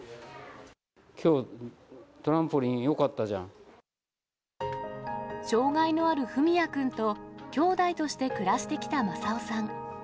きょう、トランポリンよかっ障害のある文也君と、兄弟として暮らしてきた正夫さん。